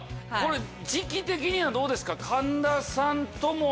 時期的にはどうですか？